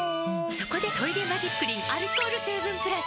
そこで「トイレマジックリン」アルコール成分プラス！